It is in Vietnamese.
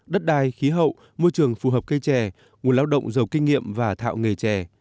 đất đai khí hậu môi trường phù hợp cây trẻ nguồn lao động giàu kinh nghiệm và thạo nghề chè